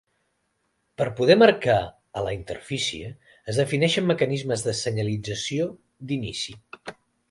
Per poder marcar a la interfície, es defineixen mecanismes de senyalització "d'inici".